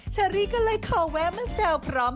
ชะริก็เลยเขาแวะมันแซวมาพร้อม